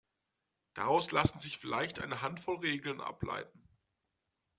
Daraus lassen sich vielleicht eine Handvoll Regeln ableiten.